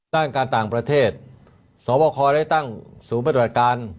ด้านการต่างประเทศสวบคได้ตั้งศูนย์ปฏิบัติการ